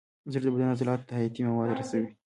زړه د بدن عضلاتو ته حیاتي مواد رسوي.